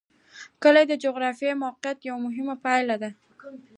کلي د جغرافیایي موقیعت یوه مهمه پایله ده.